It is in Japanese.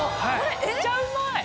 めっちゃうまい。